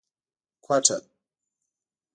کوټه